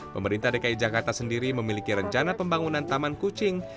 pemerintah dki jakarta sendiri memiliki rencana pembangunan taman kucing